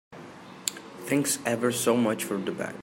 Thanks ever so much for the bag.